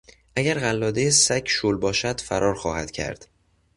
اگر قلاده سگ شل باشد فرار خواهد کرد.